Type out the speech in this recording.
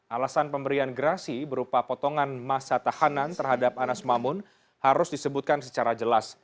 alasan pemberian gerasi berupa potongan masa tahanan terhadap anas mamun harus disebutkan secara jelas